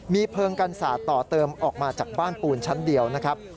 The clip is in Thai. มีเพลิงกันศาสตร์ต่อเติมออกมาจากบ้านปูนชั้นเดียวนะครับ